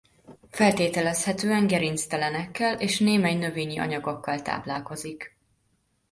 Feltételezhetően gerinctelenekkel és némely növényi anyagokkal táplálkozik.